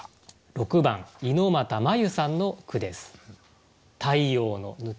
６番猪俣ま悠さんの句です。